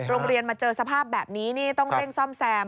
โรงเรียนมาเจอสภาพแบบนี้นี่ต้องเร่งซ่อมแซม